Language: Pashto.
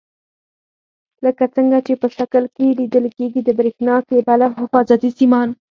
لکه څنګه چې په شکل کې لیدل کېږي د برېښنا کیبل او حفاظتي سیمان.